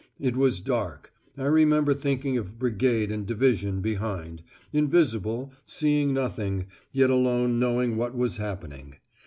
It was dark. I remember thinking of Brigade and Division behind, invisible, seeing nothing, yet alone knowing what was happening.